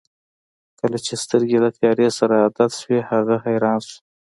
کله چې سترګې یې له تیارې سره عادت شوې هغه حیران شو.